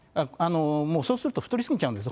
もうそうすると太り過ぎちゃうんですね。